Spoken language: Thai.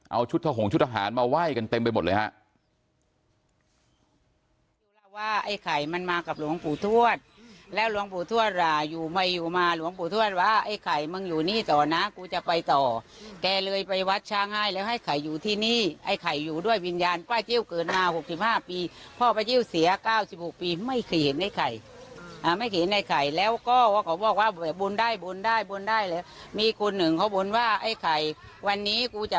เอาชุดทะหงชุดทหารมาไหว้กันเต็มไปหมดเลยฮะ